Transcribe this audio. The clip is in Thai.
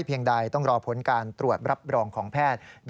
ใดต้องรอผลการตรวจรับรองของแพทย์